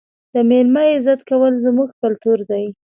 د مېلمه عزت کول زموږ کلتور دی.